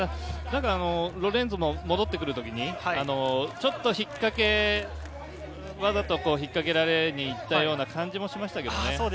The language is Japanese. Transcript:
ロレンソも戻ってくる時にわざと引っかけられに行ったような感じもしましたけどね。